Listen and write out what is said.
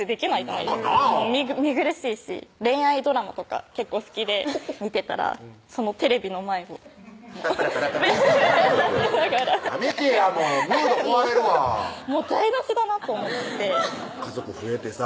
なんかなぁ見苦しいし恋愛ドラマとか結構好きで見てたらそのテレビの前を「パッパラッパラッパ」やめてやもうムード壊れるわ台なしだなと思って家族増えてさ